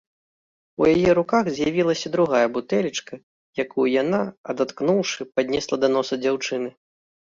У яе руках з'явілася другая бутэлечка, якую яна, адаткнуўшы, паднесла да носа дзяўчыны.